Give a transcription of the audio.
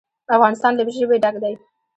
افغانستان له ژبې ډک دی.